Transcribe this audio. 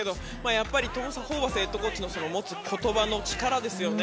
やっぱりトム・ホーバスヘッドコーチの持つ言葉の力ですね。